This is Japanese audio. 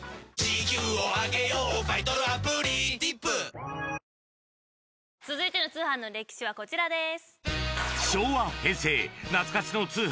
東京海上日動続いての通販の歴史はこちらです。